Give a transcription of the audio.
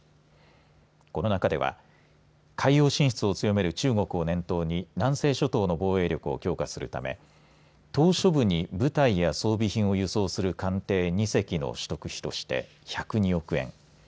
この中では海洋進出を強める中国を念頭に南西諸島の防衛力を強化するため島しょ部に部隊や装備品を輸送する艦艇２隻の取得費として１０２億円。